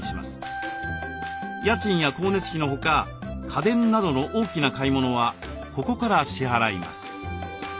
家賃や光熱費のほか家電などの大きな買い物はここから支払います。